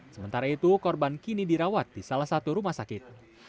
sementara itu korban kini dirawat di salah satu rumah sakit